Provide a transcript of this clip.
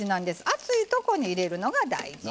熱いとこに入れるのが大事。